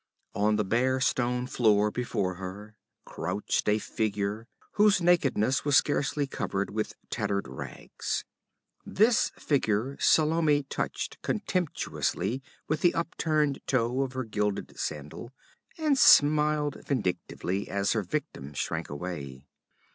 On the bare stone floor before her crouched a figure whose nakedness was scarcely covered with tattered rags. This figure Salome touched contemptuously with the upturned toe of her gilded sandal, and smiled vindictively as her victim shrank away.